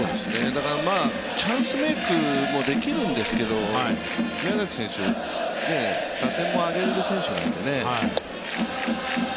だからチャンスメークもできるんですけど、宮崎選手、打点も挙げられる選手なんでね。